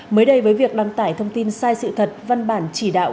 mới đây với việc đăng tải thông tin sai sự thật văn bản chỉ đạo